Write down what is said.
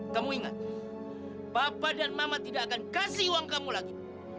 kamu ingat papa dan mama tidak akan kasih uang kamu lagi